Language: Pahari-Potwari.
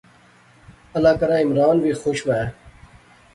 اللہ کرے عمران وی خوش وہے